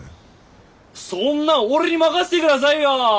そんなん俺に任せてくださいよ。